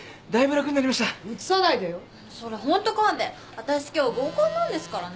わたし今日合コンなんですからね。